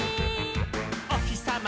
「おひさま